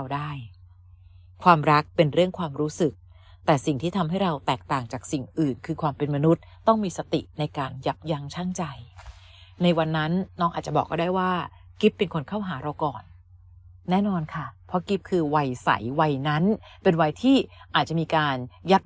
นอนค่ะเพราะกิ๊บคือวัยใสวัยนั้นเป็นวัยที่อาจจะมีการยับ